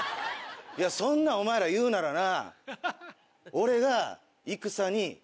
いやそんなお前ら言うならな。